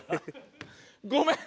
ごめん！